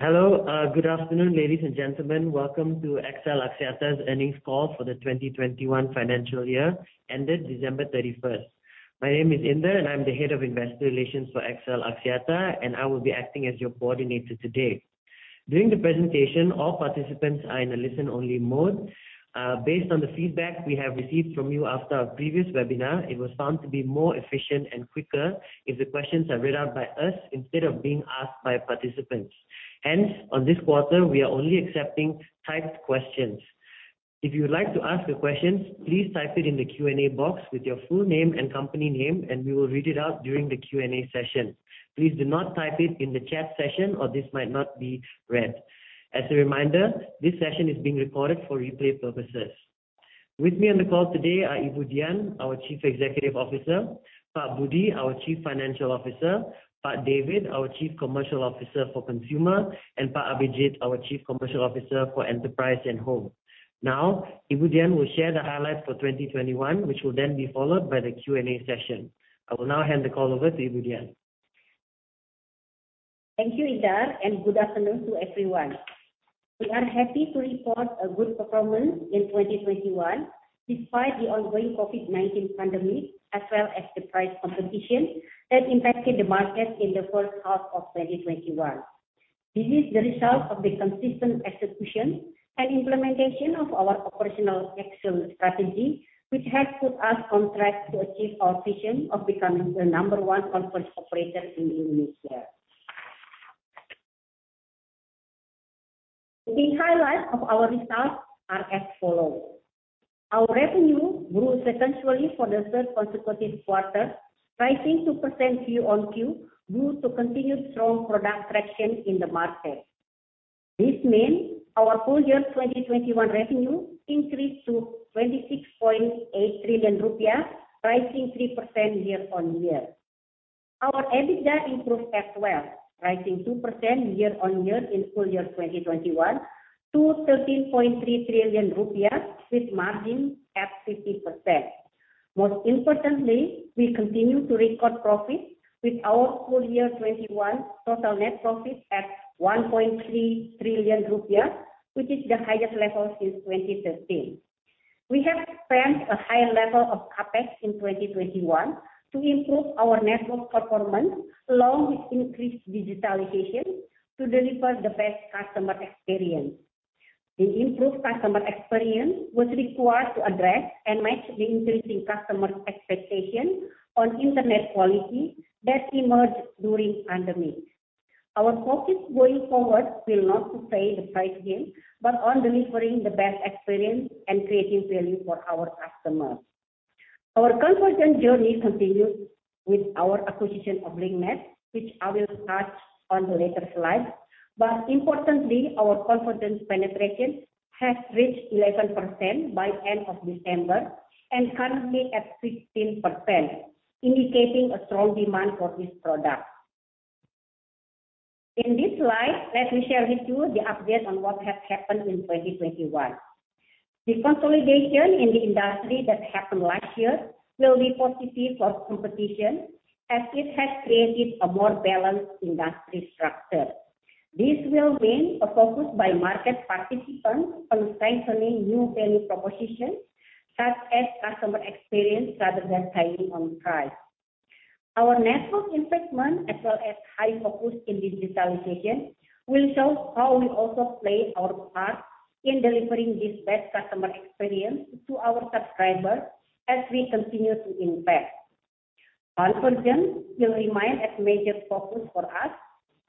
Hello. Good afternoon, ladies and gentlemen. Welcome to XL Axiata's Earnings Call for the 2021 Financial Year Ended December 31. My name is Indar, and I'm the head of investor relations for XL Axiata, and I will be acting as your coordinator today. During the presentation, all participants are in a listen-only mode. Based on the feedback we have received from you after our previous webinar, it was found to be more efficient and quicker if the questions are read out by us instead of being asked by participants. Hence, on this quarter, we are only accepting typed questions. If you would like to ask a question, please type it in the Q&A box with your full name and company name, and we will read it out during the Q&A session. Please do not type it in the chat session, or this might not be read. As a reminder, this session is being recorded for replay purposes. With me on the call today are Ibu Dian, our Chief Executive Officer, Pak Budi, our Chief Financial Officer, Pak David, our Chief Commercial Officer for Consumer, and Pak Abhijit, our Chief Commercial Officer for Enterprise and Home. Now, Ibu Dian will share the highlights for 2021, which will then be followed by the Q&A session. I will now hand the call over to Ibu Dian. Thank you, Indar, and good afternoon to everyone. We are happy to report a good performance in 2021 despite the ongoing COVID-19 pandemic, as well as the price competition that impacted the market in the first half of 2021. This is the result of the consistent execution and implementation of our operational excellence strategy, which has put us on track to achieve our vision of becoming the number one converged operator in Indonesia. The key highlights of our results are as follows. Our revenue grew sequentially for the third consecutive quarter, rising 2% Q on Q due to continued strong product traction in the market. This means our full year 2021 revenue increased to 26.8 trillion rupiah, rising 3% year-over-year. Our EBITDA improved as well, rising 2% year-on-year in full year 2021 to 13.3 trillion rupiah with margin at 50%. Most importantly, we continue to record profit with our full year 2021 total net profit at 1.3 trillion rupiah, which is the highest level since 2013. We have spent a high level of CapEx in 2021 to improve our network performance along with increased digitalization to deliver the best customer experience. The improved customer experience was required to address and match the increasing customer expectation on internet quality that emerged during pandemic. Our focus going forward will not be to play the price game, but on delivering the best experience and creating value for our customers. Our convergence journey continues with our acquisition of Link Net, which I will touch on the later slide. Importantly, our convergence penetration has reached 11% by end of December and currently at 16%, indicating a strong demand for this product. In this slide, let me share with you the update on what has happened in 2021. The consolidation in the industry that happened last year will be positive for competition as it has created a more balanced industry structure. This will mean a focus by market participants on strengthening new value propositions, such as customer experience rather than timing on price. Our network investment as well as high focus in digitalization will show how we also play our part in delivering this best customer experience to our subscribers as we continue to invest. Convergence will remain a major focus for us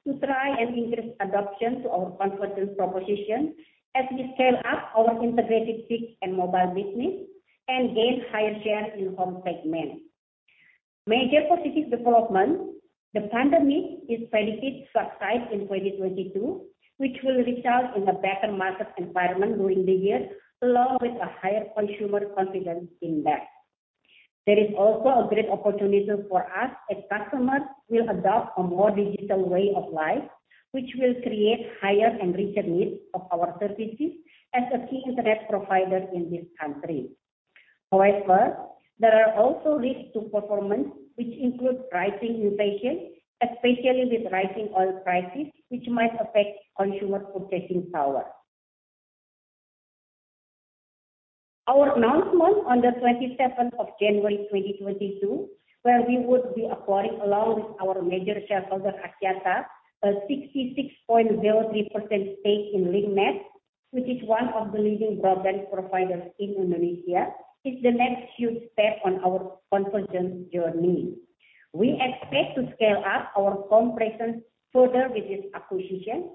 to try and increase adoption to our convergence proposition as we scale up our integrated fixed and mobile business and gain higher share in home segment. A major positive development, the pandemic is predicted to subside in 2022, which will result in a better market environment during the year, along with a higher consumer confidence index. There is also a great opportunity for us as customers will adopt a more digital way of life, which will create higher and richer needs of our services as a key internet provider in this country. However, there are also risks to performance, which include rising inflation, especially with rising oil prices, which might affect consumer purchasing power. Our announcement on the 27th of January 2022, where we would be acquiring along with our major shareholder, Axiata, a 66.03% stake in Link Net, which is one of the leading broadband providers in Indonesia, is the next huge step on our convergence journey. We expect to scale up our home presence further with this acquisition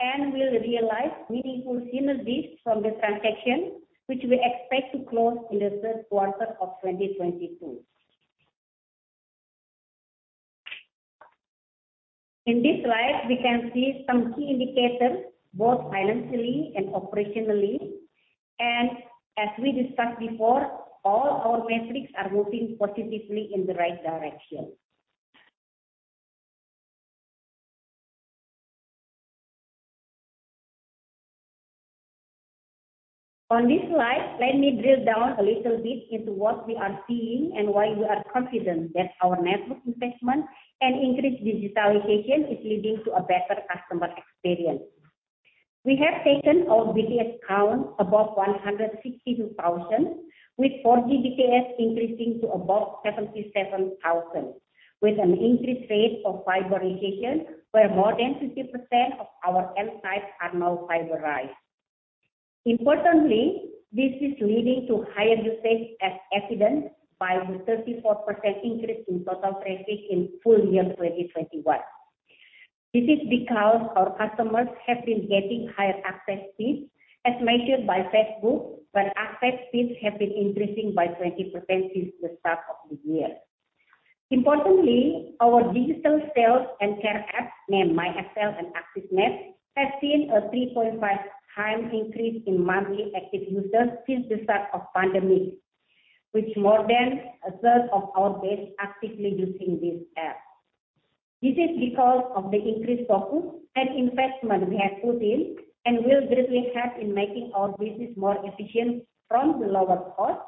and will realize meaningful synergies from the transaction, which we expect to close in the third quarter of 2022. In this slide, we can see some key indicators, both financially and operationally. As we discussed before, all our metrics are moving positively in the right direction. On this slide, let me drill down a little bit into what we are seeing and why we are confident that our network investment and increased digitalization is leading to a better customer experience. We have taken our BTS count above 162,000, with 4G BTS increasing to above 77,000, with an increase rate of fiberization where more than 50% of our end sites are now fiberized. Importantly, this is leading to higher usage as evident by the 34% increase in total traffic in full year 2021. This is because our customers have been getting higher access speeds as measured by Facebook, where access speeds have been increasing by 20% since the start of the year. Importantly, our digital sales and care apps, named myXL and AXISnet, have seen a 3.5 times increase in monthly active users since the start of pandemic, with more than a third of our base actively using these apps. This is because of the increased focus and investment we have put in and will greatly help in making our business more efficient from the lower cost,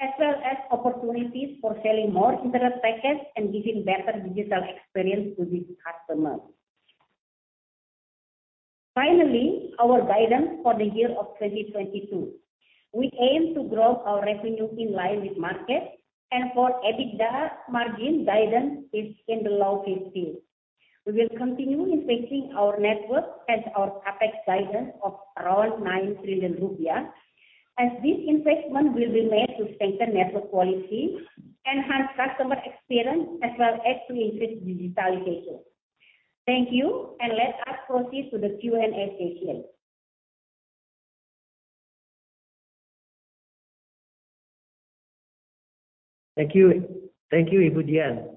as well as opportunities for selling more internet packets and giving better digital experience to these customers. Finally, our guidance for the year of 2022. We aim to grow our revenue in line with market and for EBITDA margin guidance is in the low 50s%. We will continue investing our network as our CapEx guidance of around 9 trillion rupiah, as this investment will be made to strengthen network quality, enhance customer experience, as well as to increase digitalization. Thank you, and let us proceed to the Q&A session. Thank you. Thank you, Ibu Dian.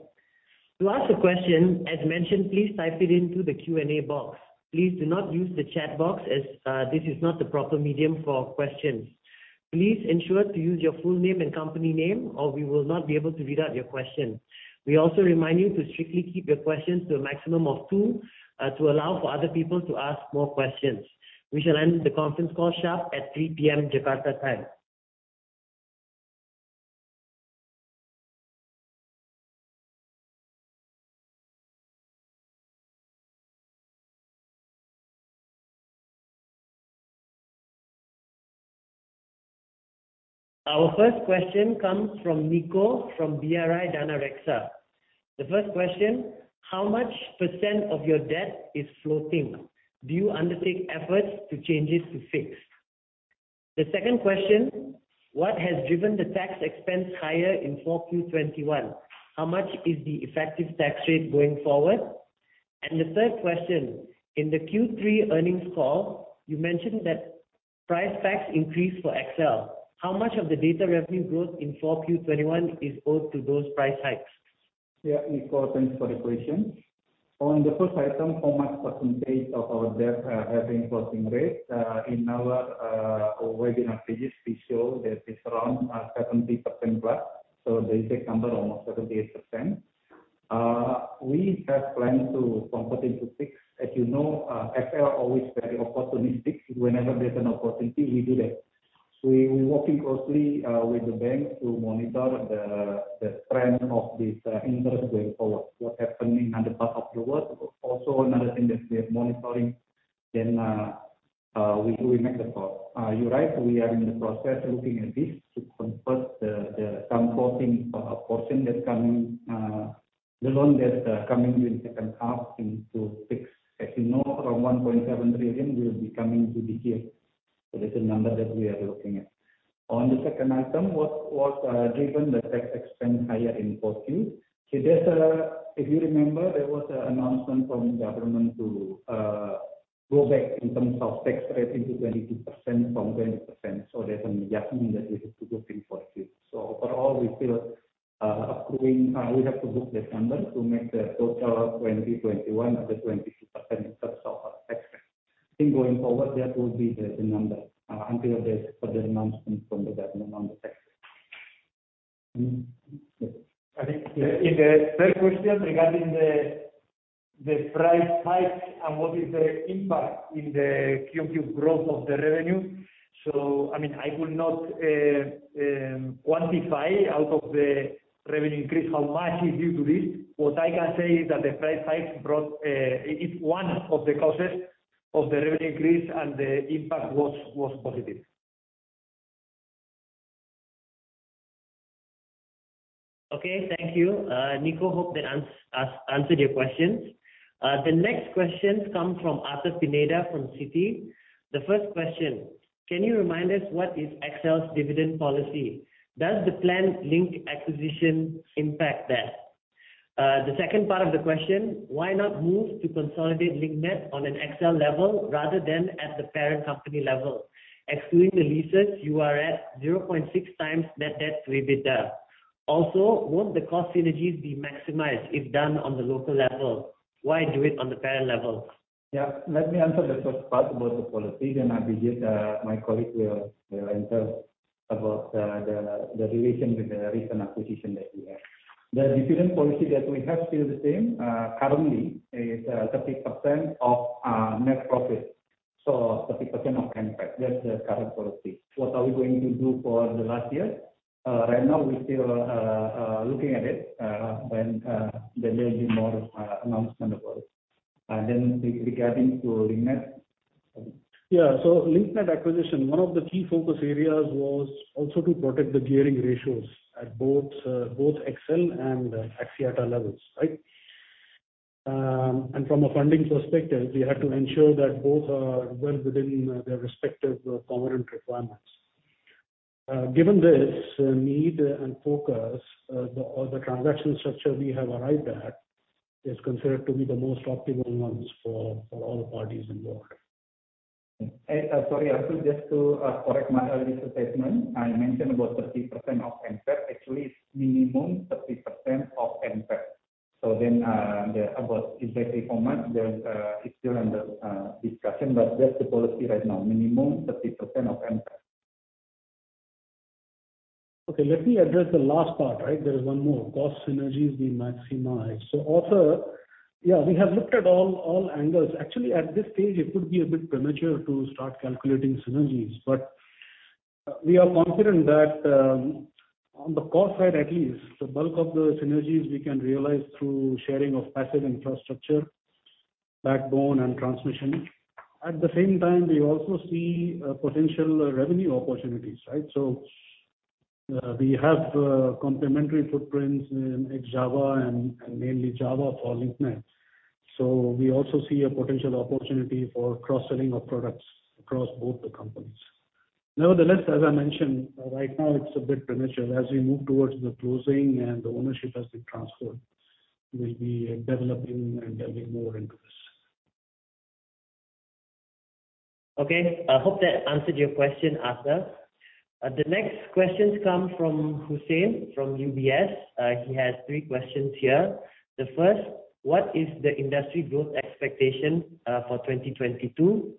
To ask a question, as mentioned, please type it into the Q&A box. Please do not use the chat box, as this is not the proper medium for questions. Please ensure to use your full name and company name, or we will not be able to read out your question. We also remind you to strictly keep your questions to a maximum of two to allow for other people to ask more questions. We shall end the conference call sharp at 3:00 P.M. Jakarta time. Our first question comes from Niko from BRI Danareksa. The first question, how much percent of your debt is floating? Do you undertake efforts to change it to fixed? The second question, what has driven the tax expense higher in 4Q 2021? How much is the effective tax rate going forward? The third question, in the Q3 earnings call, you mentioned that price packs increased for XL. How much of the data revenue growth in 4Q 2021 is due to those price hikes? Yeah, Niko, thanks for the question. On the first item, how much percentage of our debt have been floating rate, in our webinar pages, we show that it's around 70% plus. The exact number almost 78%. We have planned to convert into fixed. As you know, XL always very opportunistic. Whenever there's an opportunity, we do that. We working closely with the bank to monitor the trend of this interest going forward, what happened in other part of the world. Also another thing that we are monitoring, then we make the call. You're right, we are in the process looking at this to convert some floating portion that's coming, the loan that's coming in second half into fixed. As you know, around 1.7 trillion will be coming to this year. That's the number that we are looking at. On the second item, what drove the tax expense higher in 4Q. There's an announcement from the government to go back in terms of tax rate into 22% from 20%. There's an adjustment that we have to do in 4Q. Overall, we feel appropriate, we have to book that number to make the total of 2021 at the 22% in terms of our tax rate. I think going forward, that will be the number until there's further announcement from the government on the tax rate. I think in the third question regarding the price hikes and what is the impact in the QoQ growth of the revenue. I mean, I could not quantify out of the revenue increase how much is due to this. What I can say is that the price hikes brought, it's one of the causes of the revenue increase, and the impact was positive. Okay. Thank you, Niko. Hope that answered your questions. The next questions come from Arthur Pineda from Citi. The first question, can you remind us what is XL's dividend policy? Does the planned Link Net acquisition impact that? The second part of the question, why not move to consolidate Link Net on an XL level rather than at the parent company level? Excluding the leases, you are at 0.6x net debt to EBITDA. Also, won't the cost synergies be maximized if done on the local level? Why do it on the parent level? Yeah. Let me answer the first part about the policy. Then, Abhijit, my colleague will answer about the relation with the recent acquisition that we have. The dividend policy that we have is still the same. Currently, it is 30% of our net profit. So 30% of NPAT, that's the current policy. What are we going to do for the last year? Right now we're still looking at it. When there will be more announcement about it. Then regarding to Link Net. LinkNet acquisition, one of the key focus areas was also to protect the gearing ratios at both XL and Axiata levels, right? From a funding perspective, we had to ensure that both are well within their respective covenant requirements. Given this need and focus, the transaction structure we have arrived at is considered to be the most optimal ones for all the parties involved. Sorry, Arthur, just to correct my earlier statement. I mentioned about 30% of NPAT. Actually, it's minimum 30% of NPAT. About the exact format, it's still under discussion, but that's the policy right now, minimum 30% of NPAT. Okay, let me address the last part, right? There is one more. Cost synergies we maximize. Arthur, we have looked at all angles. Actually, at this stage, it would be a bit premature to start calculating synergies. We are confident that on the cost side at least, the bulk of the synergies we can realize through sharing of passive infrastructure, backbone and transmission. At the same time, we also see potential revenue opportunities, right? We have complementary footprints in ex-Java and mainly Java for Link Net. We also see a potential opportunity for cross-selling of products across both the companies. Nevertheless, as I mentioned, right now it's a bit premature. As we move towards the closing and the ownership has been transferred, we'll be developing and delving more into this. Okay. I hope that answered your question, Arthur. The next questions come from Husein from UBS. He has three questions here. The first, what is the industry growth expectation for 2022?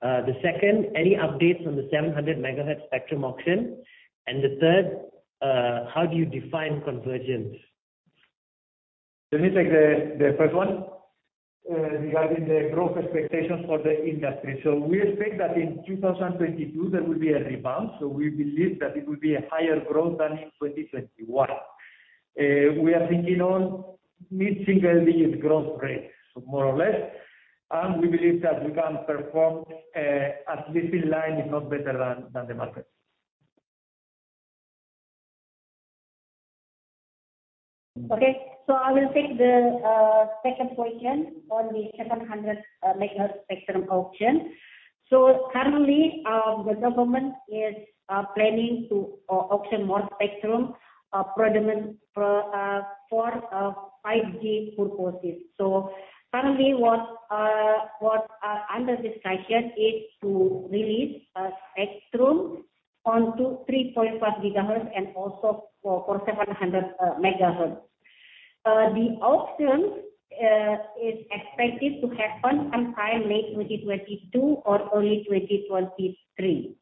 The second, any updates on the 700 MHz spectrum auction? And the third, how do you define convergence? Let me take the first one regarding the growth expectations for the industry. We expect that in 2022 there will be a rebound. We believe that it will be a higher growth than in 2021. We are thinking on mid-single digit growth rate, so more or less. We believe that we can perform at least in line, if not better than the market. Okay. I will take the second question on the 700 MHz spectrum auction. Currently, the government is planning to auction more spectrum, predominantly for 5G purposes. Currently, what is under discussion is to release spectrum on 2.3 GHz and 3.5 GHz and also for 700 MHz. The auction is expected to happen sometime late 2022 or early 2023.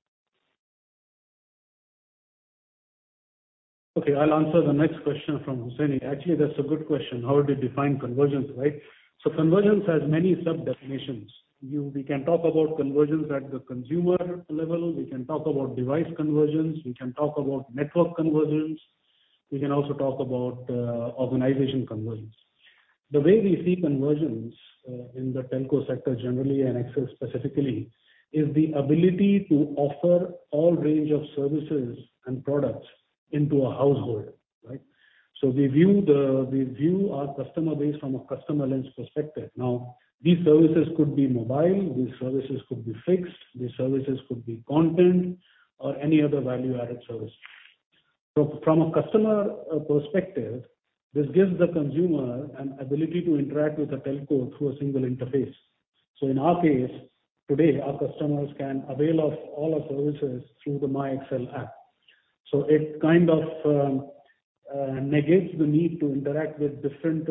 Okay, I'll answer the next question from Husein. Actually, that's a good question. How would you define convergence, right? Convergence has many sub-definitions. We can talk about convergence at the consumer level, we can talk about device convergence, we can talk about network convergence, we can also talk about organization convergence. The way we see convergence in the telco sector generally and Axis specifically is the ability to offer all range of services and products into a household, right? We view our customer base from a customer lens perspective. Now, these services could be mobile, these services could be fixed, these services could be content or any other value-added service. From a customer perspective, this gives the consumer an ability to interact with the telco through a single interface. In our case today, our customers can avail of all our services through the myXL app. It kind of negates the need to interact with different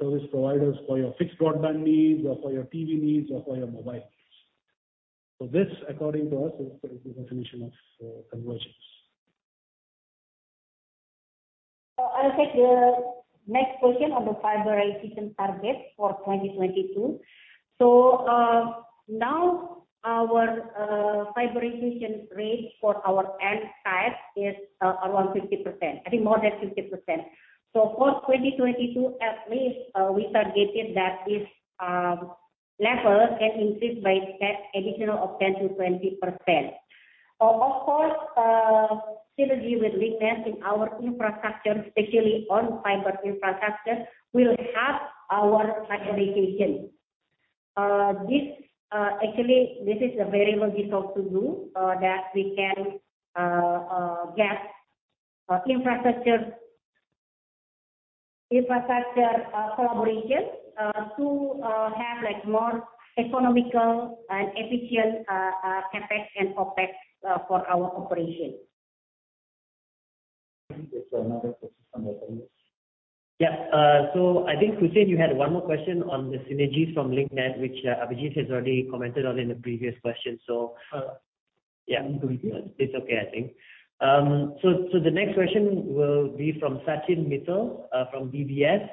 service providers for your fixed broadband needs or for your TV needs or for your mobile needs. This, according to us, is the definition of convergence. I'll take the next question on the fiberization targets for 2022. Now our fiberization rate for our end site is around 50%. I think more than 50%. For 2022 at least, we targeted that this level can increase by an additional 10%-20%. Of course, synergy with Link Net in our infrastructure, especially on fiber infrastructure, will help our fiberization. Actually, this is very logical to do that we can get infrastructure collaboration to have like more economical and efficient CapEx and OpEx for our operation. I think there's another question from Husein. I think, Husein, you had one more question on the synergies from Link Net, which Abhijit has already commented on in the previous question. It's okay, I think. The next question will be from Sachin Mittal from DBS.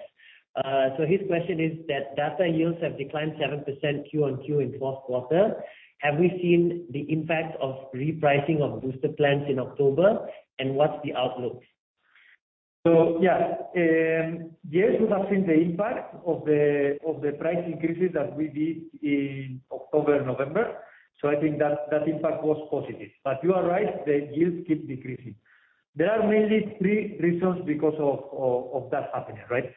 His question is that data yields have declined 7% Q-on-Q in fourth quarter. Have we seen the impact of repricing of booster plans in October? And what's the outlook? Yeah. Yes, we have seen the impact of the price increases that we did in October, November. I think that impact was positive. You are right, the yields keep decreasing. There are mainly three reasons because of that happening, right?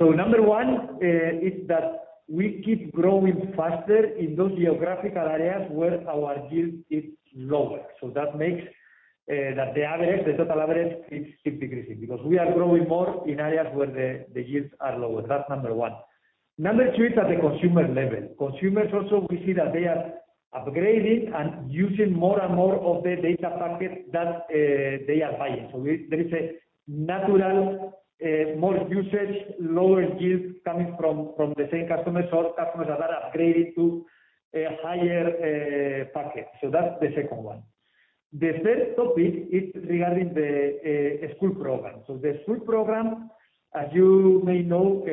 Number one is that we keep growing faster in those geographical areas where our yield is lower. That makes the average, the total average keeps decreasing because we are growing more in areas where the yields are lower. That's number one. Number two is at the consumer level. Consumers also we see that they are upgrading and using more and more of the data package that they are buying. There is a natural, more usage, lower yield coming from the same customers or customers that are upgraded to a higher package. That's the second one. The third topic is regarding the school program. The school program, as you may know,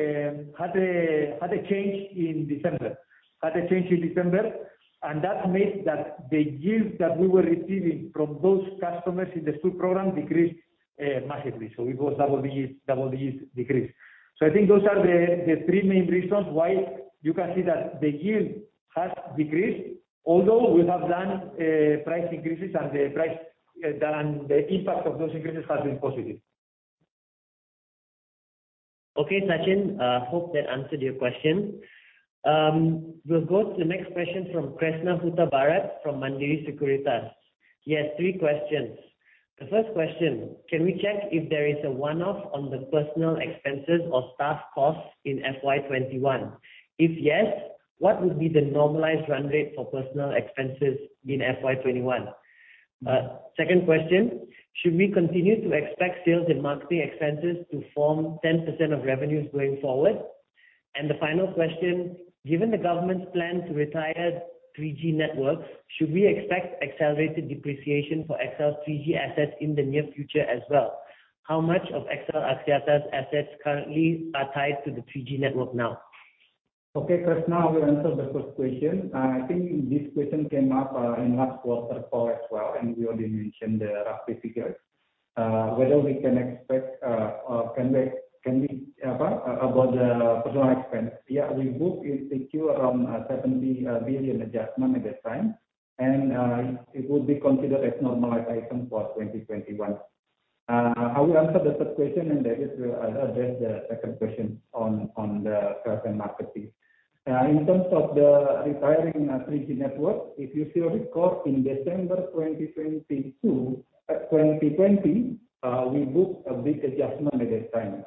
had a change in December. That change in December made the yield that we were receiving from those customers in the school program decrease massively. It was double digit decrease. I think those are the three main reasons why you can see that the yield has decreased, although we have done price increases and the price done, the impact of those increases has been positive. Okay, Sachin, hope that answered your question. We'll go to the next question from Kresna Hutabarat from Mandiri Sekuritas. He has three questions. The first question, can we check if there is a one-off on the personal expenses or staff costs in FY 2021? If yes, what would be the normalized run rate for personal expenses in FY 2021? Second question, should we continue to expect sales and marketing expenses to form 10% of revenues going forward? And the final question, given the government's plan to retire 3G networks, should we expect accelerated depreciation for XL's 3G assets in the near future as well? How much of XL Axiata's assets currently are tied to the 3G network now? Okay, Kresna, I will answer the first question. I think this question came up in last quarter call as well, and we already mentioned the rough figures. Whether we can expect or can we what about the personnel expense? Yeah, we book in the Q seventy billion adjustment at that time. It would be considered as normalized item for 2021. I will answer the third question, and Abhijit will address the second question on the sales and marketing. In terms of the retiring 3G network, if you see our record in December 2020, we booked a big adjustment at that time,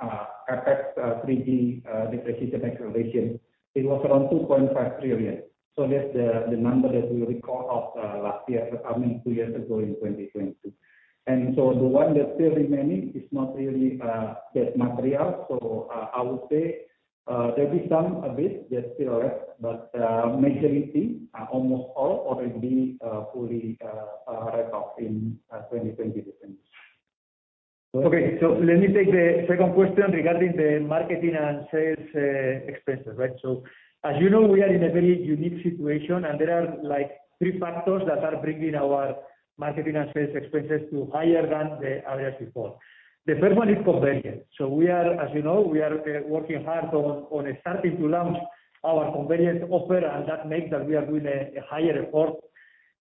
CapEx 3G depreciation acceleration. It was around 2.5 trillion. That's the number that we recall of last year, I mean two years ago in 2022. The one that's still remaining is not really that material. I would say there is some a bit that's still left, but majority almost all already fully written off in 2020 different. Okay. Let me take the second question regarding the marketing and sales expenses, right? As you know, we are in a very unique situation, and there are like three factors that are bringing our marketing and sales expenses to higher than they were before. The first one is convergence. We are, as you know, working hard on starting to launch our convergence offer, and that means we are doing a higher effort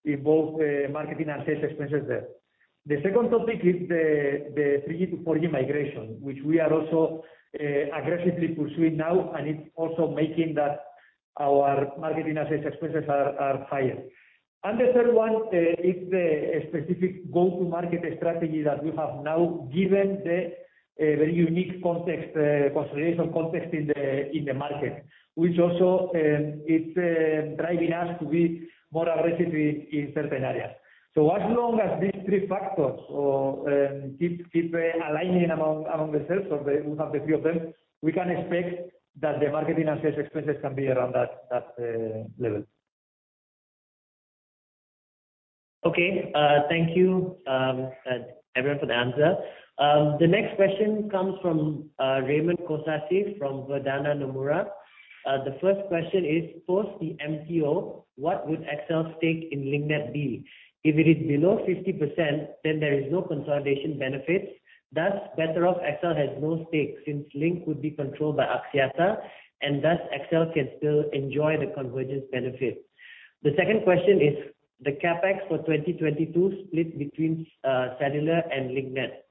in both marketing and sales expenses there. The second topic is the 3G to 4G migration, which we are also aggressively pursuing now, and it's also meaning that our marketing and sales expenses are higher. The third one is the specific go-to-market strategy that we have now, given the very unique context, consolidation context in the market, which also it's driving us to be more aggressive in certain areas. As long as these three factors keep aligning among themselves or the one of the few of them, we can expect that the marketing and sales expenses can be around that level. Okay. Thank you, everyone for the answer. The next question comes from Raymond Kosasih from Verdhana Nomura. The first question is, post the MTO, what would XL stake in Link Net be? If it is below 50%, then there is no consolidation benefits, thus better off XL has no stake since Link Net would be controlled by Axiata, and thus XL can still enjoy the convergence benefit. The second question is the CapEx for 2022 split between cellular and Link Net.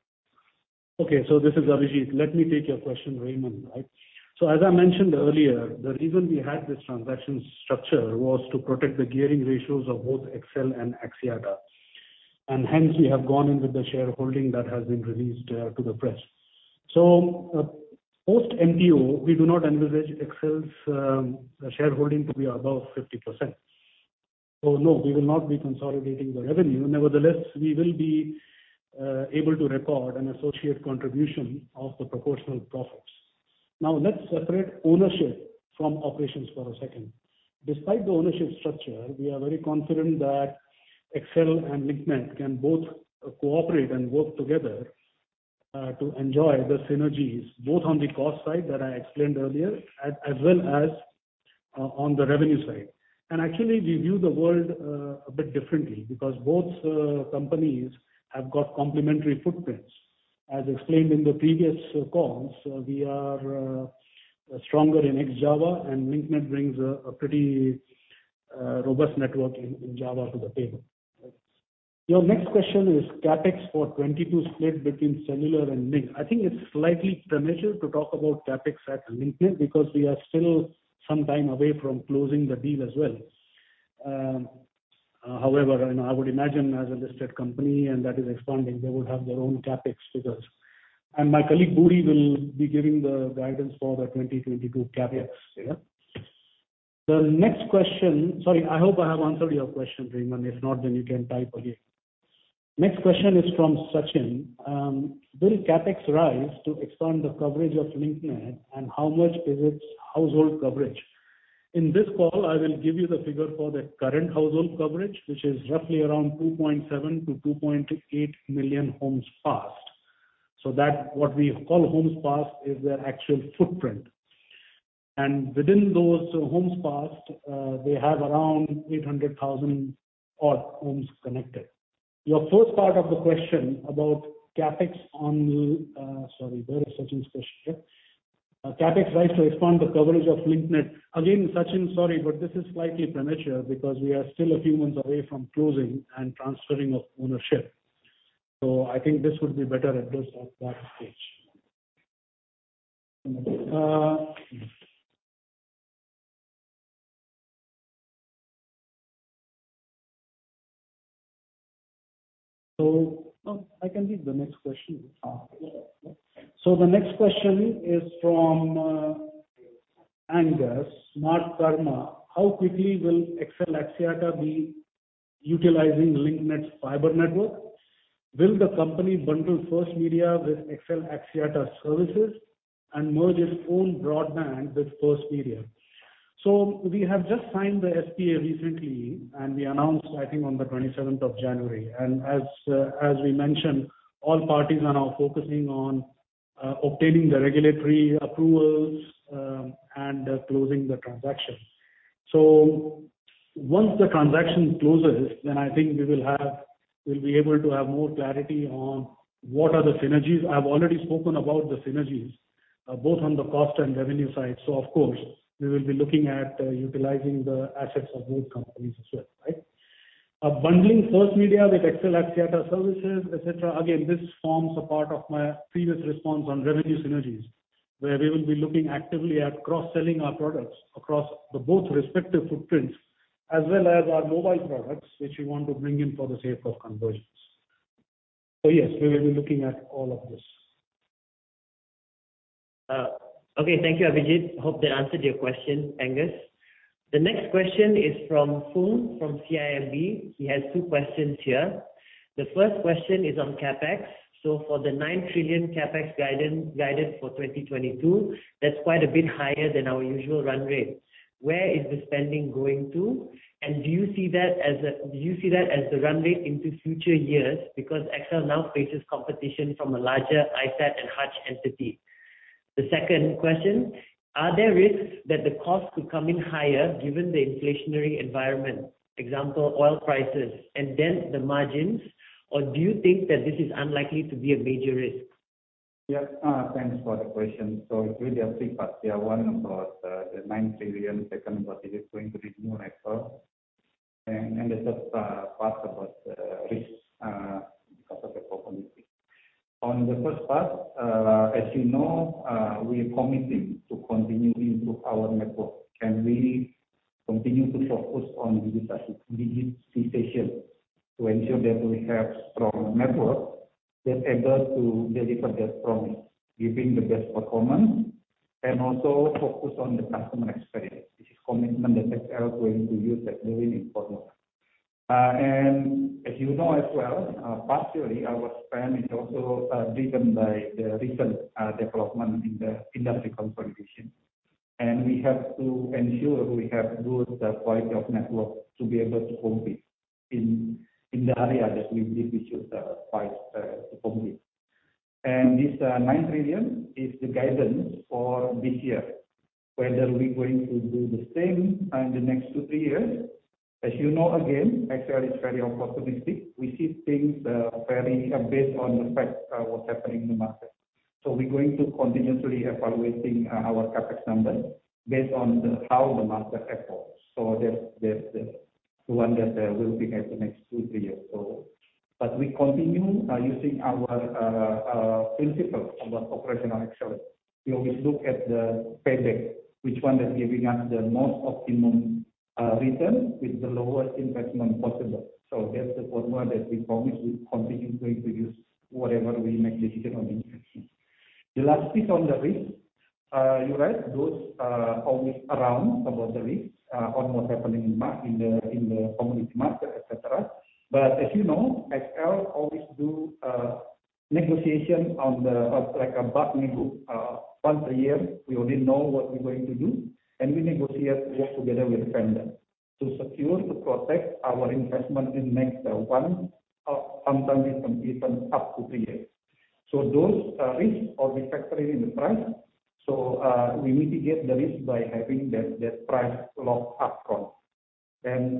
Okay, this is Abhijit. Let me take your question, Raymond. Right. As I mentioned earlier, the reason we had this transaction structure was to protect the gearing ratios of both XL and Axiata. Hence we have gone in with the shareholding that has been released to the press. Post MTO, we do not envisage XL's shareholding to be above 50%. No, we will not be consolidating the revenue. Nevertheless, we will be able to record an associate contribution of the proportional profit. Now let's separate ownership from operations for a second. Despite the ownership structure, we are very confident that XL and Link Net can both cooperate and work together to enjoy the synergies, both on the cost side that I explained earlier, as well as on the revenue side. Actually, we view the world a bit differently because both companies have got complementary footprints. As explained in the previous calls, we are stronger in East Java and Link Net brings a pretty robust network in Java to the table. Your next question is CapEx for 2022 split between cellular and Link. I think it's slightly premature to talk about CapEx at Link Net because we are still some time away from closing the deal as well. However, you know, I would imagine as a listed company and that is expanding, they would have their own CapEx figures. My colleague, Budi, will be giving the guidance for the 2022 CapEx, yeah. The next question. Sorry, I hope I have answered your question, Raymond. If not, then you can type again. Next question is from Sachin. Will CapEx rise to expand the coverage of Link Net, and how much is its household coverage? In this call, I will give you the figure for the current household coverage, which is roughly around 2.7-2.8 million homes passed. That's what we call homes passed is their actual footprint. Within those homes passed, they have around 800,000 odd homes connected. Your first part of the question about CapEx on. Sorry, where is Sachin's question here? CapEx rise to expand the coverage of Link Net. Again, Sachin, sorry, but this is slightly premature because we are still a few months away from closing and transferring of ownership. I think this would be better addressed at that stage. No, I can read the next question. The next question is from, Angus, Smartkarma. How quickly will XL Axiata be utilizing Link Net's fiber network? Will the company bundle First Media with XL Axiata services and merge its own broadband with First Media? We have just signed the SPA recently, and we announced, I think, on the 27th of January. As we mentioned, all parties are now focusing on obtaining the regulatory approvals and closing the transaction. Once the transaction closes, I think we'll be able to have more clarity on what are the synergies. I've already spoken about the synergies both on the cost and revenue side. Of course, we will be looking at utilizing the assets of both companies as well, right? Bundling First Media with XL Axiata services, et cetera. Again, this forms a part of my previous response on revenue synergies, where we will be looking actively at cross-selling our products across the both respective footprints as well as our mobile products, which we want to bring in for the sake of convergence. Yes, we will be looking at all of this. Okay. Thank you, Abhijit. Hope that answered your question, Angus. The next question is from Fung, from CIMB. He has two questions here. The first question is on CapEx. For the 9 trillion CapEx guidance for 2022, that's quite a bit higher than our usual run rate. Where is the spending going to? Do you see that as the run rate into future years because XL now faces competition from a larger ISAT and Hutch entity? The second question, are there risks that the cost could come in higher given the inflationary environment, example, oil prices, and dent the margins? Or do you think that this is unlikely to be a major risk? Yes. Thanks for the question. It's really a three-part here. One about the 9 trillion, second about is it going to be new network and the third part about risks because of the COVID-19. On the first part, as you know, we're committing to continually improve our network, and we continue to focus on digitization to ensure that we have strong network that's able to deliver their promise, giving the best performance and also focus on the customer experience. This is commitment that XL's going to use that money in promo. As you know as well, partially our spend is also driven by the recent development in the industry consolidation. We have to ensure we have good quality of network to be able to compete in the area that we believe we should fight to compete. This 9 trillion is the guidance for this year. Whether we're going to do the same in the next two, three years, as you know, again, XL is very opportunistic. We see things very based on the fact of what's happening in the market. We're going to continuously evaluating our CapEx number based on how the market evolves. That's the one that we'll be at the next two, three years. We continue using our principle about operational excellence. We always look at the payback, which one is giving us the most optimum return with the lowest investment possible. That's the formula that we promise we continue going to use whatever we make decision on the CapEx. The last bit on the risk, you're right. Those are always around about the risk on what's happening in the commodity market, et cetera. But as you know, XL always do negotiation on the like a bulk negotiation once a year, we already know what we're going to do, and we negotiate work together with the vendor to secure, to protect our investment. We make the one, sometimes it can be even up to three years. Those risks are reflected in the price. We mitigate the risk by having that price locked up front.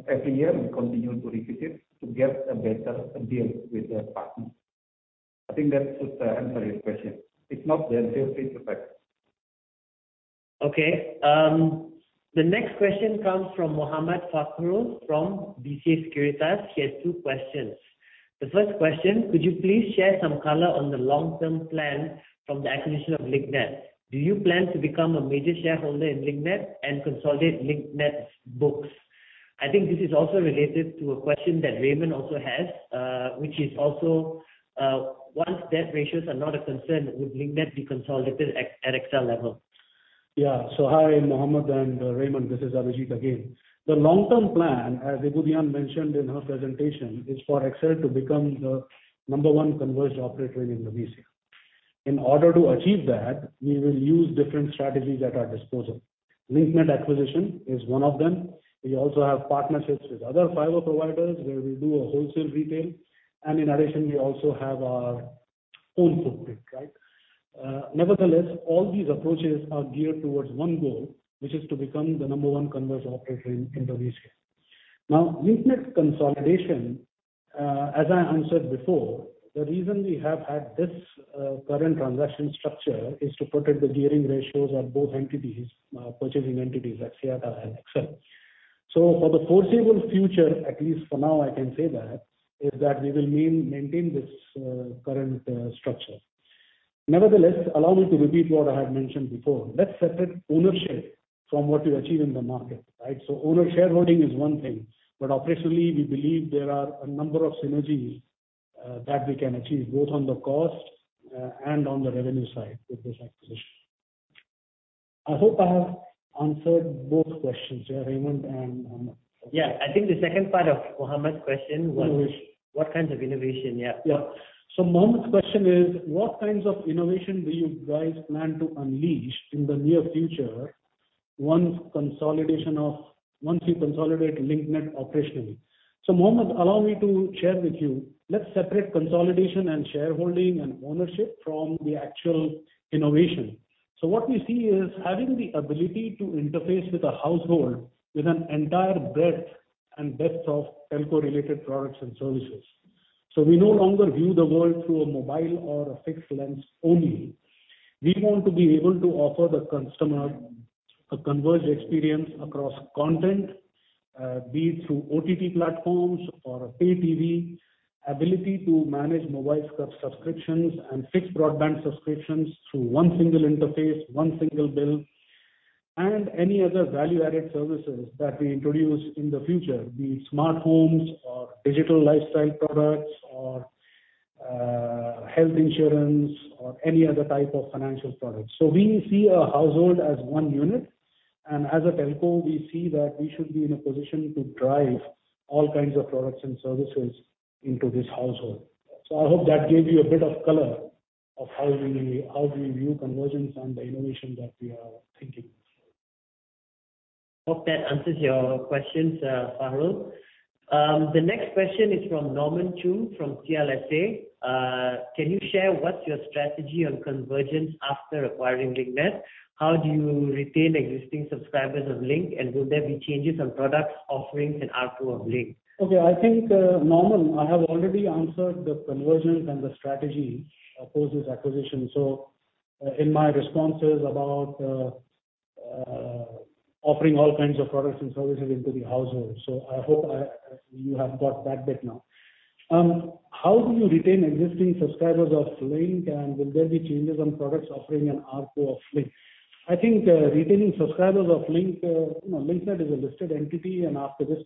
Every year, we continue to revisit to get a better deal with the partner. I think that should answer your question. If not, then feel free to correct. Okay. The next question comes from Mohammad Fakhrul from BCA Sekuritas. He has two questions. The first question: Could you please share some color on the long-term plan from the acquisition of Link Net? Do you plan to become a major shareholder in Link Net and consolidate Link Net's books? I think this is also related to a question that Raymond also has, which is also once debt ratios are not a concern, would Link Net be consolidated at XL level? Yeah. Hi, Mohammad and Raymond. This is Abhijit again. The long-term plan, as Ibu Dian mentioned in her presentation, is for XL to become the number one converged operator in Indonesia. In order to achieve that, we will use different strategies at our disposal. Link Net acquisition is one of them. We also have partnerships with other fiber providers where we do a wholesale retail, and in addition, we also have our own footprint, right? Nevertheless, all these approaches are geared towards one goal, which is to become the number one converged operator in Indonesia. Now, Link Net consolidation, as I answered before, the reason we have had this current transaction structure is to protect the gearing ratios of both purchasing entities, Axiata and XL. For the foreseeable future, at least for now, I can say that we will maintain this current structure. Nevertheless, allow me to repeat what I had mentioned before. Let's separate ownership from what we achieve in the market, right? Owner shareholding is one thing, but operationally we believe there are a number of synergies that we can achieve both on the cost and on the revenue side with this acquisition. I hope I have answered both questions, Raymond and Mohammad. Yeah. I think the second part of Mohammad's question was. No issue. What kinds of innovation? Yeah. Yeah. Mohammad's question is, what kinds of innovation do you guys plan to unleash in the near future once you consolidate Link Net operationally? Mohammad, allow me to share with you. Let's separate consolidation and shareholding and ownership from the actual innovation. What we see is having the ability to interface with a household with an entire breadth and depth of telco-related products and services. We no longer view the world through a mobile or a fixed lens only. We want to be able to offer the customer a converged experience across content, be it through OTT platforms or a pay TV, ability to manage mobile subscriptions and fixed broadband subscriptions through one single interface, one single bill, and any other value-added services that we introduce in the future, be it smart homes or digital lifestyle products or, health insurance or any other type of financial products. We see a household as one unit, and as a telco, we see that we should be in a position to drive all kinds of products and services into this household. I hope that gave you a bit of color of how we view convergence and the innovation that we are thinking. Hope that answers your questions, Fakhrul. The next question is from Norman Choong from CLSA. Can you share what's your strategy on convergence after acquiring Link Net? How do you retain existing subscribers of Link Net, and will there be changes on products offerings and ARPU of Link Net? Okay. I think, Norman, I have already answered the convergence and the strategy, post this acquisition, in my responses about offering all kinds of products and services into the household. I hope you have got that bit now. How do you retain existing subscribers of Link Net, and will there be changes on products offering and ARPU of Link Net? I think, retaining subscribers of Link Net, you know, Link Net is a listed entity, and after this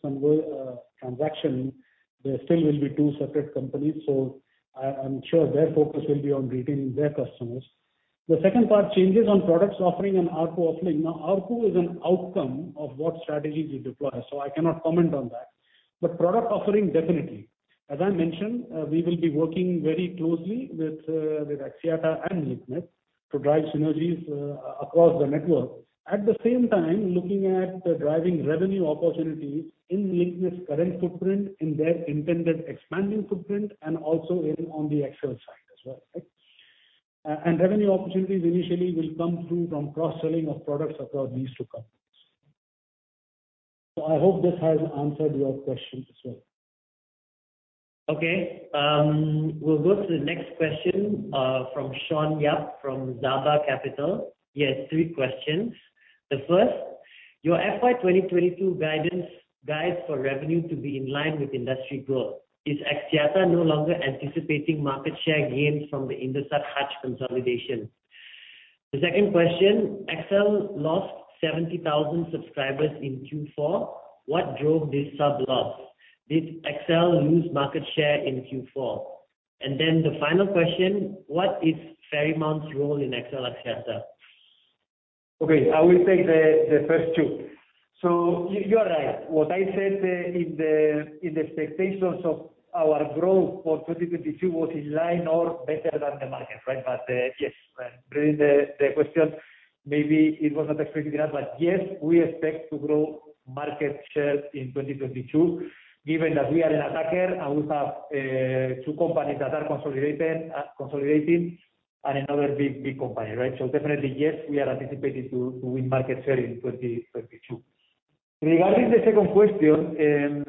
transaction, they still will be two separate companies. I'm sure their focus will be on retaining their customers. The second part, changes on products offering and ARPU of Link Net. Now, ARPU is an outcome of what strategies we deploy, so I cannot comment on that. But product offering, definitely. As I mentioned, we will be working very closely with Axiata and Link Net to drive synergies across the network. At the same time, looking at driving revenue opportunities in Link Net's current footprint, in their intended expanding footprint, and also on the XL side as well. Right? Revenue opportunities initially will come through from cross-selling of products across these two companies. I hope this has answered your question as well. Okay. We'll go to the next question from Sean Yap from Saba Capital. He has three questions. The first: Your FY 2022 guidance guides for revenue to be in line with industry growth. Is Axiata no longer anticipating market share gains from the Indosat Hutch consolidation? The second question: XL lost 70,000 subscribers in Q4. What drove this sub loss? Did XL lose market share in Q4? And then the final question: What is Ferrymount's role in XL Axiata? Okay, I will take the first two. You are right. What I said in the expectations of our growth for 2022 was in line or better than the market, right? Yes, reading the question, maybe it was not expected enough. Yes, we expect to grow market share in 2022, given that we are an attacker, and we have two companies that are consolidating and another big company, right? Definitely, yes, we are anticipating to win market share in 2022. Regarding the second question,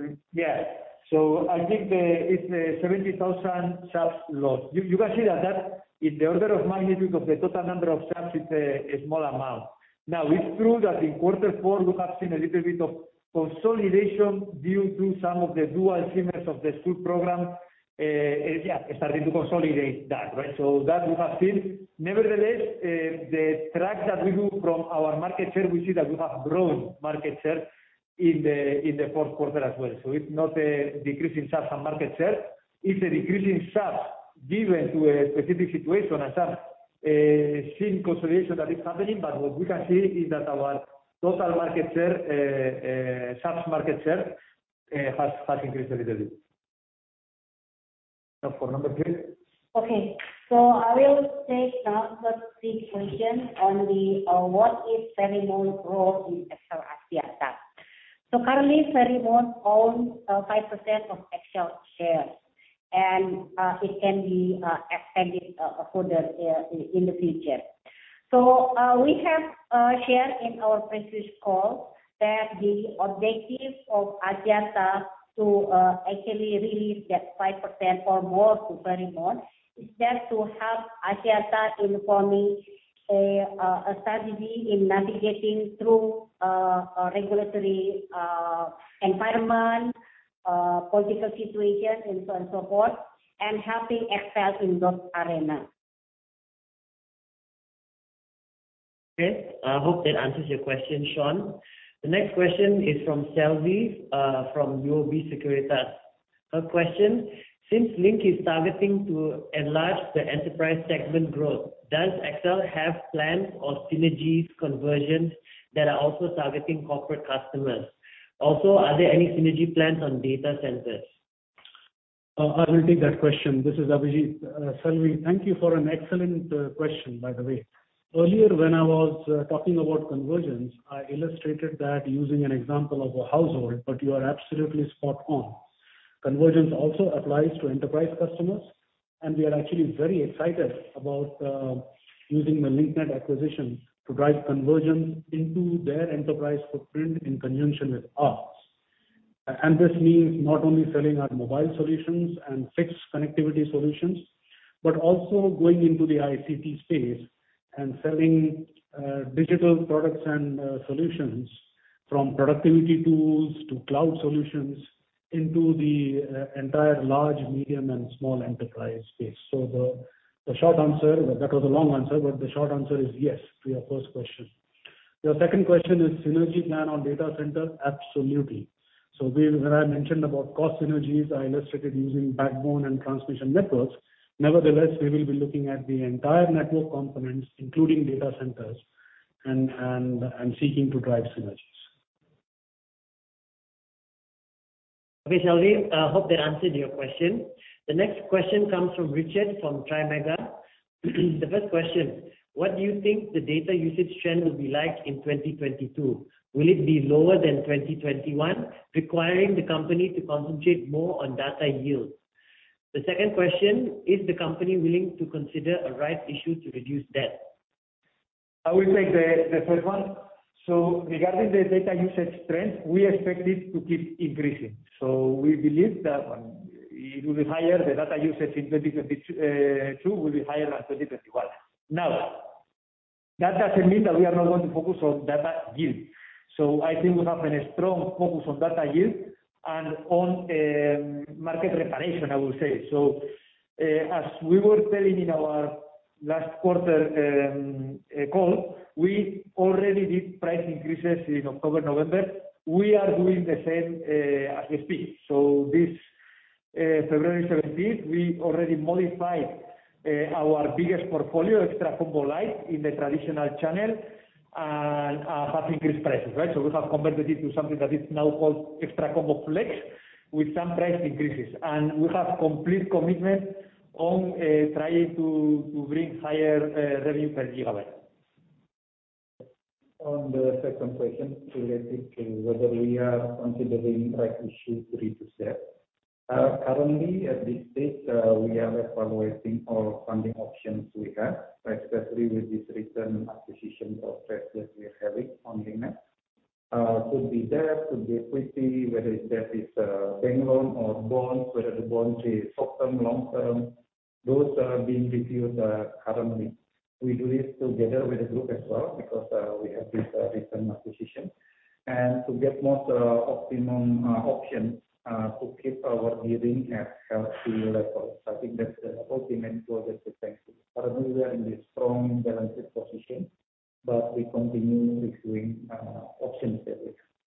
I think it's the 70,000 subs loss. You can see that in the order of magnitude of the total number of subs, it's a small amount. Now, it's true that in quarter four we have seen a little bit of consolidation due to some of the dual SIMers of the school program starting to consolidate that, right? That we have seen. Nevertheless, the tracking that we do from our market share, we see that we have grown market share in the fourth quarter as well. It's not a decrease in subs and market share. It's a decrease in subs given to a specific situation, and subs seeing consolidation that is happening. What we can see is that our total market share, subs market share, has increased a little bit. Now for number three. Okay. I will take now the third question on the, what is Ferrymount role in XL Axiata. Currently, Ferrymount owns 5% of XL shares, and it can be extended further in the future. We have shared in our previous call that the objective of Axiata to actually release that 5% or more to Ferrymount is just to help Axiata in forming a strategy in navigating through a regulatory environment, political situations and so on and so forth, and helping XL in those arenas. Okay. I hope that answers your question, Sean. The next question is from Selvi from UOB Sekuritas. Her question: Since Link is targeting to enlarge the enterprise segment growth, does XL have plans or synergies convergence that are also targeting corporate customers? Also, are there any synergy plans on data centers? I will take that question. This is Abhijit. Selvi, thank you for an excellent question, by the way. Earlier when I was talking about convergence, I illustrated that using an example of a household, but you are absolutely spot on. Convergence also applies to enterprise customers, and we are actually very excited about using the LinkNet acquisition to drive convergence into their enterprise footprint in conjunction with us. This means not only selling our mobile solutions and fixed connectivity solutions, but also going into the ICT space and selling digital products and solutions from productivity tools to cloud solutions into the entire large, medium, and small enterprise space. The short answer, but that was a long answer, but the short answer is yes to your first question. Your second question is synergy plan on data center. Absolutely. When I mentioned about cost synergies, I illustrated using backbone and transmission networks. Nevertheless, we will be looking at the entire network components, including data centers and seeking to drive synergies. Okay, Selvi, I hope that answered your question. The next question comes from Richard from Trimegah. The first question: What do you think the data usage trend will be like in 2022? Will it be lower than 2021, requiring the company to concentrate more on data yield? The second question: Is the company willing to consider a right issue to reduce debt? I will take the first one. Regarding the data usage trend, we expect it to keep increasing. We believe that it will be higher, the data usage in 2022 will be higher than 2021. Now, that doesn't mean that we are not going to focus on data yield. I think we have a strong focus on data yield and on market repositioning, I will say. As we were telling in our last quarter call, we already did price increases in October, November. We are doing the same as we speak. This February seventeenth, we already modified our biggest portfolio, ex-Java Xtra Combo Lite, in the traditional channel and have increased prices, right? We have converted it to something that is now called ex-Java Xtra Combo Flex with some price increases. We have complete commitment on trying to bring higher revenue per gigabyte. On the second question related to whether we are considering rights issue to raise. Currently at this stage, we are evaluating all funding options we have, right? Especially with this recent acquisition of assets we're having of Link Net. Could be debt, could be equity, whether debt is bank loan or bonds, whether the bonds is short-term, long-term. Those are being reviewed currently. We do this together with the group as well because we have this recent acquisition. To get most optimum option to keep our gearing at healthy levels. I think that's the ultimate goal. Currently, we are in a strong, balanced position, but we continue reviewing options there is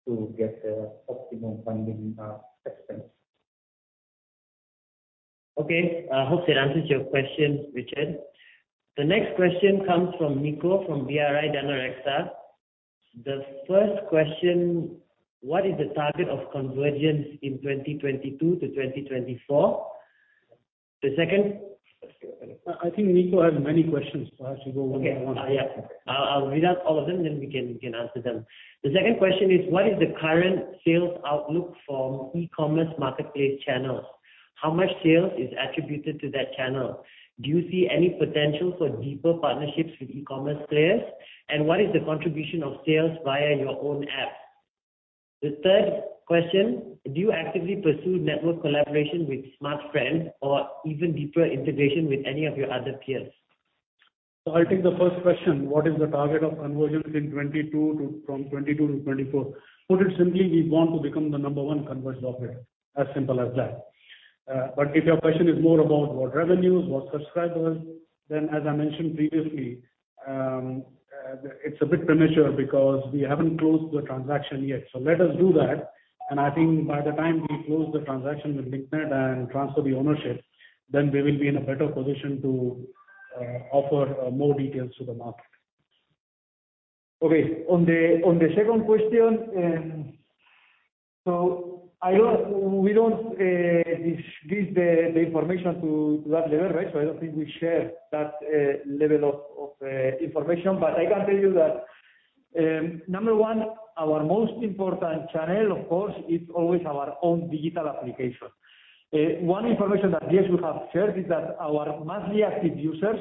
to get the optimum funding expense. Okay. Hope that answers your question, Richard. The next question comes from Niko from BRI Danareksa. The first question: what is the target of convergence in 2022 to 2024? The second- I think Niko has many questions. Perhaps you go one by one. Okay. Yeah. I'll read out all of them, then we can answer them. The second question is: what is the current sales outlook for e-commerce marketplace channels? How much sales is attributed to that channel? Do you see any potential for deeper partnerships with e-commerce players, and what is the contribution of sales via your own app? The third question: do you actively pursue network collaboration with Smartfren or even deeper integration with any of your other peers? I'll take the first question, what is the target of convergence in 2022 to from 2022 to 2024. Put it simply, we want to become the number one converged operator. As simple as that. If your question is more about what revenues, what subscribers, then as I mentioned previously, it's a bit premature because we haven't closed the transaction yet. Let us do that, and I think by the time we close the transaction with LinkNet and transfer the ownership, then we will be in a better position to offer more details to the market. Okay. On the second question, we don't disclose the information to that level, right? I don't think we share that level of information, but I can tell you that number one, our most important channel, of course, is always our own digital application. One information that, yes, we have shared is that our monthly active users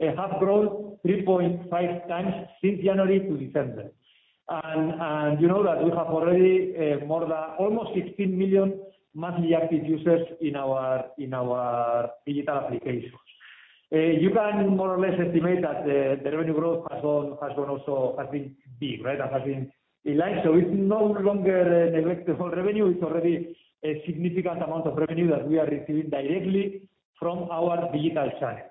have grown 3.5 times since January to December. You know that we have already more than almost 16 million monthly active users in our digital applications. You can more or less estimate that the revenue growth has gone also has been big, right? Has been in line. It's no longer a negligible revenue. It's already a significant amount of revenue that we are receiving directly from our digital channels.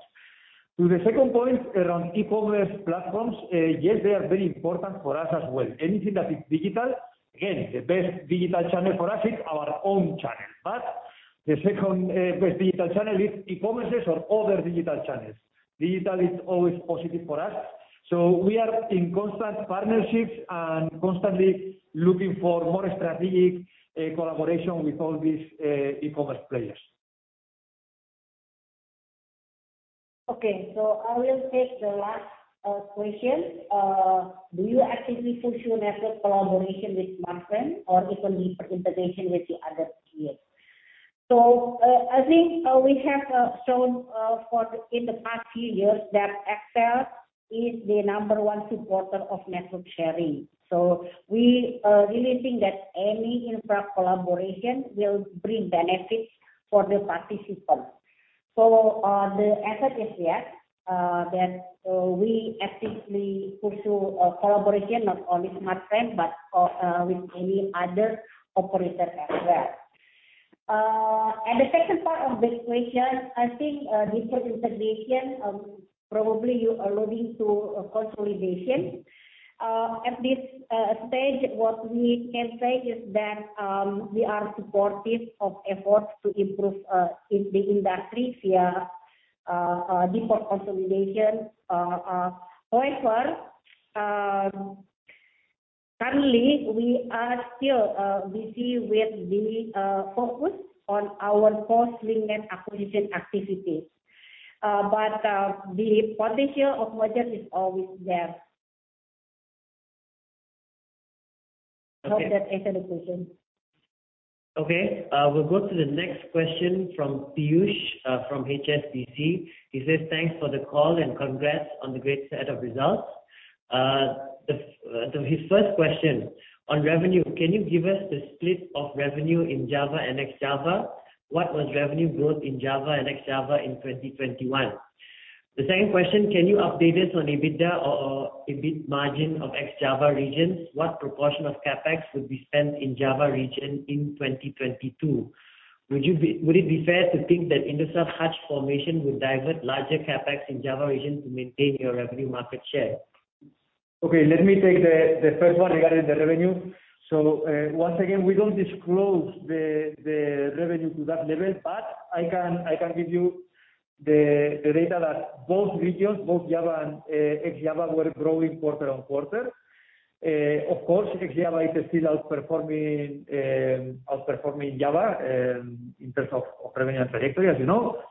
To the second point around e-commerce platforms, yes, they are very important for us as well. Anything that is digital, again, the best digital channel for us is our own channel. But the second, best digital channel is e-commerces or other digital channels. Digital is always positive for us, so we are in constant partnerships and constantly looking for more strategic, collaboration with all these, e-commerce players. I will take the last question. Do you actively pursue network collaboration with Smartfren or even deeper integration with your other peers? I think we have shown in the past few years that XL is the number one supporter of network sharing. We really think that any infra collaboration will bring benefits for the participant. The answer is yes, that we actively pursue a collaboration, not only Smartfren, but with any other operator as well. The second part of the question, I think deeper integration, probably you're alluding to a consolidation. At this stage, what we can say is that we are supportive of efforts to improve in the industry via deeper consolidation. However, currently, we are still busy with the focus on our core spectrum acquisition activities. The potential of merger is always there. Okay. I hope that answered the question. Okay. We'll go to the next question from Piyush from HSBC. He says, "Thanks for the call, and congrats on the great set of results." His first question: On revenue, can you give us the split of revenue in Java and ex-Java? What was revenue growth in Java and ex-Java in 2021? The second question: Can you update us on EBITDA or EBIT margin of ex-Java regions? What proportion of CapEx would be spent in Java region in 2022? Would it be fair to think that Indosat Hutch formation would divert larger CapEx in Java region to maintain your revenue market share? Okay. Let me take the first one regarding the revenue. Once again, we don't disclose the revenue to that level, but I can give you the data that both regions, Java and ex-Java, were growing quarter-on-quarter. Of course, ex-Java is still outperforming Java in terms of revenue and trajectory, as you know.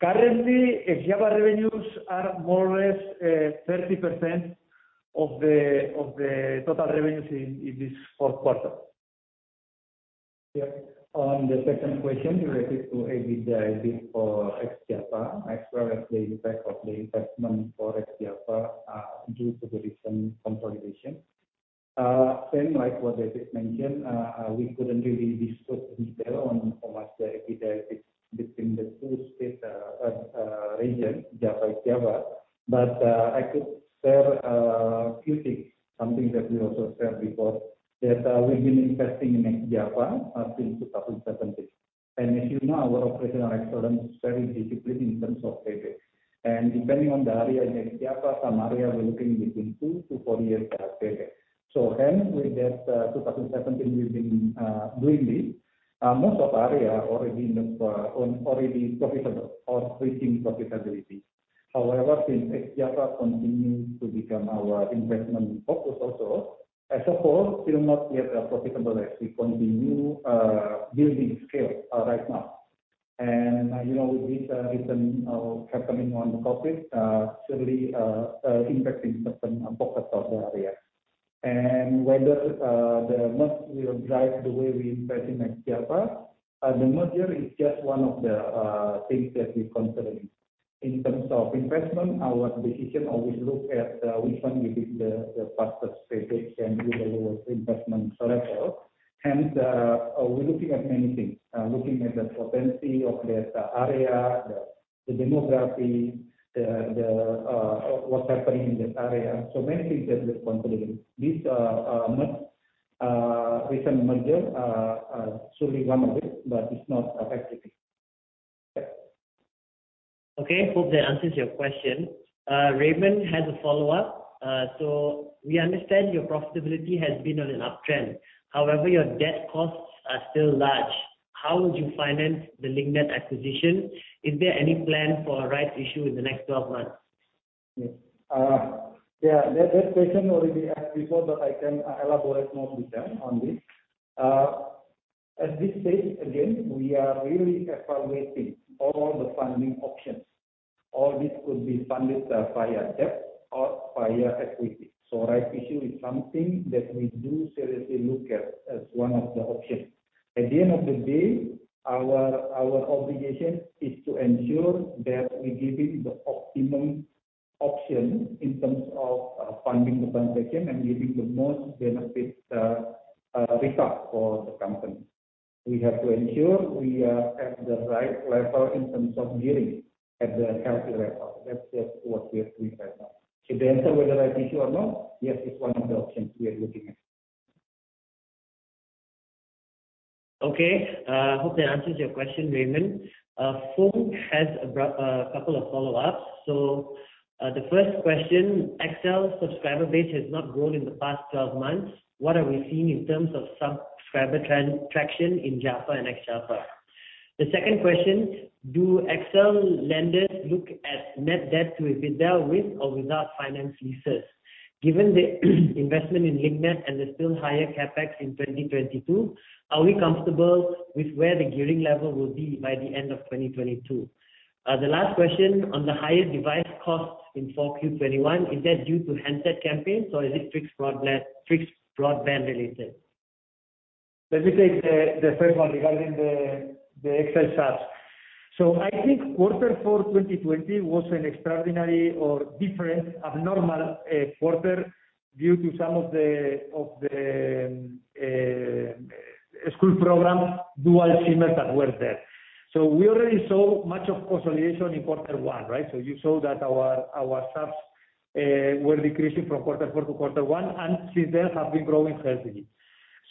Currently, ex-Java revenues are more or less 30% of the total revenues in this fourth quarter. Yeah. On the second question related to EBITDA, EBIT for ex-Java as well as the effect of the investment for ex-Java due to the recent consolidation. Same like what David mentioned, we couldn't really disclose in detail on what's the EBITDA effect between the two states, regions, Java, ex-Java. I could share a few things, something that we also shared before, that we've been investing in ex-Java up until 2017. As you know, our operational excellence is very disciplined in terms of CapEx. Depending on the area in ex-Java, some areas we're looking between 2-4 years payback. Hence with that, 2017 we've been doing this. Most areas already look on already profitable or reaching profitability. However, since ex-Java continue to become our investment focus also, as of now still not yet profitable as we continue building scale right now. With this recent happening of the COVID, surely impacting certain pockets of the area. Whether the merger will drive the way we invest in ex-Java, the merger is just one of the things that we're considering. In terms of investment, our decision always look at which one giving the fastest pay back and with the lowest investment threshold. Hence, we're looking at many things. Looking at the potency of that area, what's happening in that area. Many things that we're considering. This recent merger surely one of it, but it's not effectively. Okay, hope that answers your question. Raymond has a follow-up. "We understand your profitability has been on an uptrend. However, your debt costs are still large. How would you finance the Link Net acquisition? Is there any plan for a rights issue in the next 12 months?" Yes. That question already asked before, but I can elaborate more detail on this. At this stage, again, we are really evaluating all the funding options. All this could be funded via debt or via equity. Right issue is something that we do seriously look at as one of the options. At the end of the day, our obligation is to ensure that we're giving the optimum option in terms of funding the transaction and giving the most benefit return for the company. We have to ensure we are at the right level in terms of gearing at the healthy level. That's just what we are doing right now. To the answer whether right issue or not, yes, it's one of the options we are looking at. Okay. Hope that answers your question, Raymond Kosasih. Fung has a couple of follow-ups. The first question, XL subscriber base has not grown in the past 12 months. What are we seeing in terms of subscriber trend traction in Xtra and Xtra? The second question, do XL lenders look at net debt to EBITDA with or without finance leases? Given the investment in Link Net and the still higher CapEx in 2022, are we comfortable with where the gearing level will be by the end of 2022? The last question on the higher device costs in 4Q 2021, is that due to handset campaigns or is it fixed broadband related? Let me take the first one regarding the XL subs. I think Q4 2020 was an extraordinary or different abnormal quarter due to some of the school programs, dual SIM that were there. We already saw much of consolidation in Q1, right? You saw that our subs were decreasing from Q4 to Q1, and since then have been growing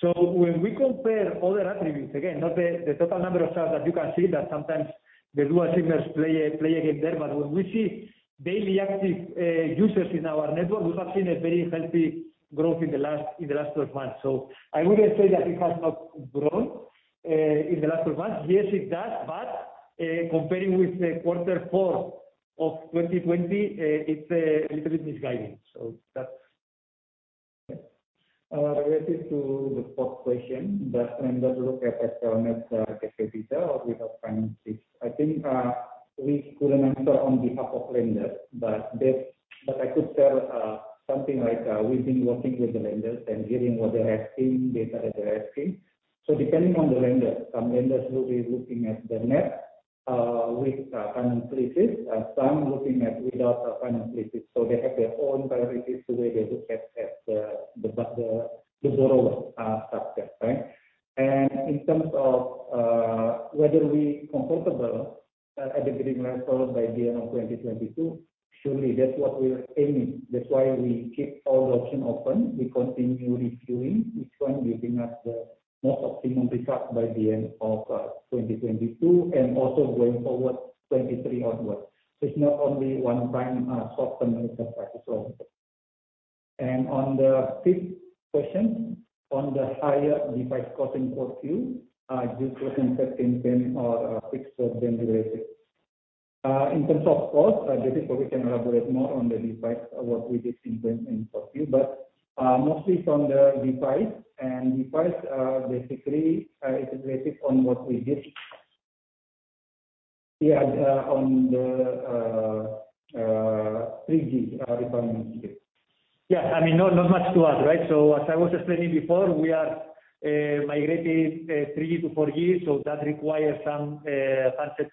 healthily. When we compare other attributes, again, not the total number of subs that you can see that sometimes the dual SIM play again there. But when we see daily active users in our network, we have seen a very healthy growth in the last 12 months. I wouldn't say that it has not grown in the last 12 months. Yes, it does. Comparing with Q4 of 2020, it's little bit misleading. That's... Related to the fourth question, do lenders look at XL net CapEx detail or without finance lease. I think, we couldn't answer on behalf of lenders, but I could share something like, we've been working with the lenders and giving what they're asking, data that they're asking. So depending on the lenders, some lenders will be looking at the net with finance leases, some looking at without finance leases. So they have their own priorities the way they look at the borrower structure, right? In terms of whether we're comfortable at the gearing level by the end of 2022, surely that's what we're aiming. That's why we keep all options open. We continue reviewing which one giving us the most optimum return by the end of 2022 and also going forward 2023 onwards. It's not only one time short-term impact. On the fifth question, on the higher device cost in 4Q due to handset campaign or fixed broadband related. In terms of cost, basically we can elaborate more on the device, what we did implement in 4Q. But mostly from the device, basically it's related on what we did. On the 3G refinement here. Yeah. I mean, no, not much to add, right? As I was explaining before, we are migrating 3G to 4G, so that requires some handset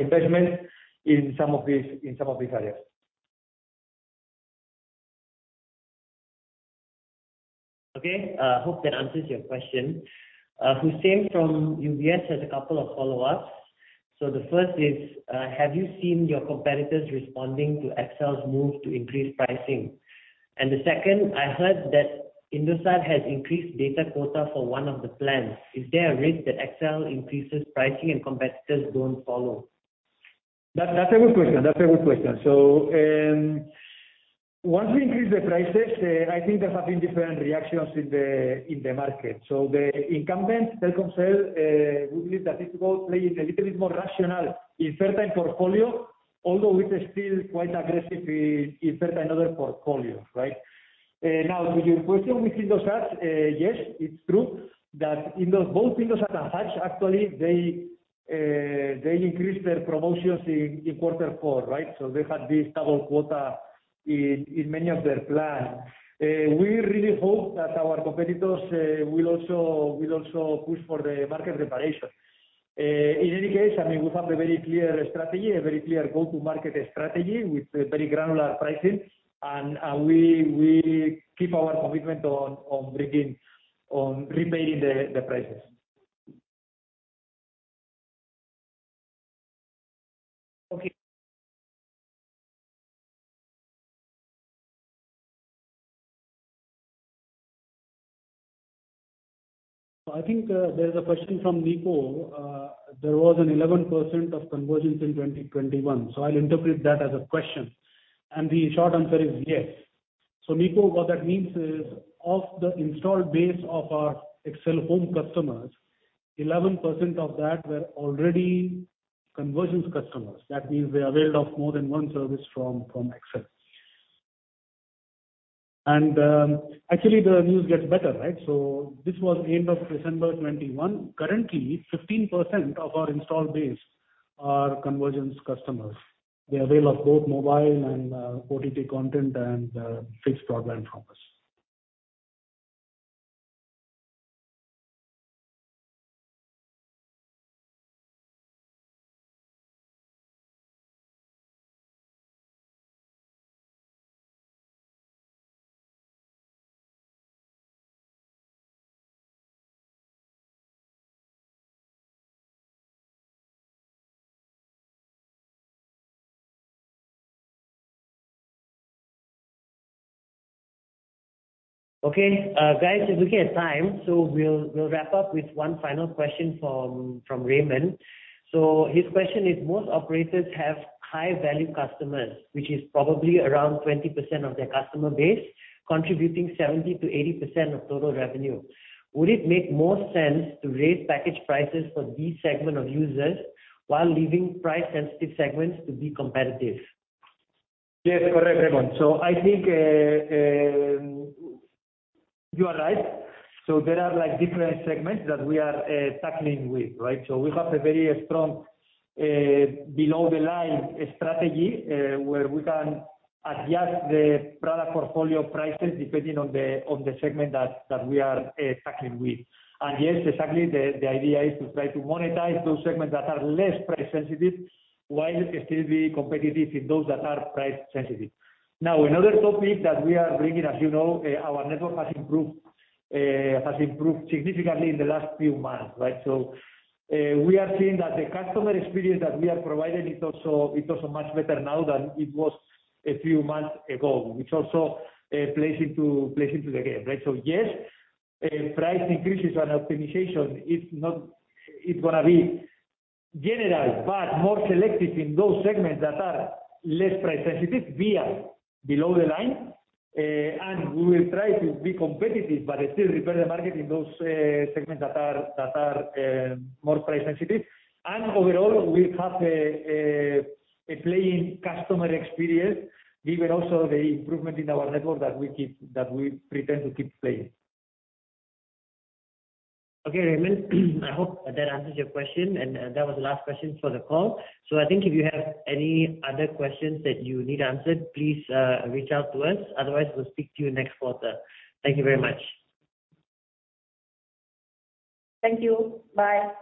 investment in some of these areas. Okay. I hope that answers your question. Husein from UBS has a couple of follow-ups. The first is, have you seen your competitors responding to XL's move to increase pricing? And the second, I heard that Indosat has increased data quota for one of the plans. Is there a risk that XL increases pricing and competitors don't follow? That's a good question. Once we increase the prices, I think there have been different reactions in the market. The incumbent, Telkomsel, we believe that it will play it a little bit more rational in airtime portfolio, although it is still quite aggressive in airtime and other portfolios, right? Now to your question with Indosat, yes, it's true that both Indosat and Hutch actually they increased their promotions in quarter four, right? They had this double quota in many of their plans. We really hope that our competitors will also push for the market rationalization. In any case, I mean, we have a very clear strategy, a very clear go-to-market strategy with very granular pricing. We keep our commitment on repairing the prices. Okay. I think there's a question from Niko. There was 11% of convergence in 2021, so I'll interpret that as a question. The short answer is yes. Niko, what that means is, of the installed base of our XL HOME customers, 11% of that were already convergence customers. That means they availed of more than one service from XL. Actually, the news gets better, right? This was end of December 2021. Currently, 15% of our installed base are convergence customers. They avail of both mobile and OTT content and fixed broadband from us. Okay. Guys, just looking at time, we'll wrap up with one final question from Raymond. His question is, most operators have high-value customers, which is probably around 20% of their customer base, contributing 70%-80% of total revenue. Would it make more sense to raise package prices for these segment of users while leaving price-sensitive segments to be competitive? Yes. Correct, Raymond. I think you are right. There are, like, different segments that we are tackling with, right? We have a very strong below-the-line strategy, where we can adjust the product portfolio prices depending on the segment that we are tackling with. Yes, exactly, the idea is to try to monetize those segments that are less price sensitive while still being competitive in those that are price sensitive. Now, another topic that we are bringing, as you know, our network has improved significantly in the last few months, right? We are seeing that the customer experience that we are providing is also much better now than it was a few months ago, which also plays into the game, right? Yes, price increases and optimization is not going to be general, but more selective in those segments that are less price sensitive via below the line. We will try to be competitive, but still reprice the market in those segments that are more price sensitive. Overall, we have a pleasing customer experience, given also the improvement in our network that we intend to keep improving. Okay, Raymond, I hope that answers your question. That was the last question for the call. I think if you have any other questions that you need answered, please, reach out to us. Otherwise, we'll speak to you next quarter. Thank you very much. Thank you. Bye.